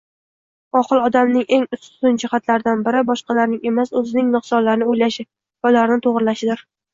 Oqil odamning eng ustun jihatlaridan biri boshqalarning emas, oʻzining nuqsonlarini oʻylashi va ularni toʻgʻrilashidir